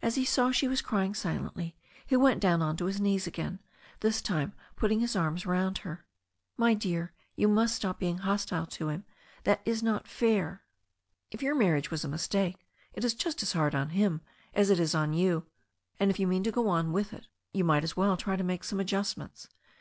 As he saw she was crying silently he went down on to his knees again, this time putting his arms round her. "My dear, you must stop being hostile to him. That is not fair. If your marriage was a mistake, it is just as hard on him as it is on you. And, if you mean to go on with it, you might as well try to make some adjustments.